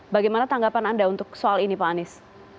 bagaimana tanggapan anda untuk soal ini pak anies